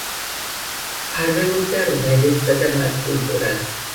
მფარველობდა რომაელებსა და მათ კულტურას.